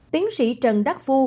tiến sĩ trần đắc phu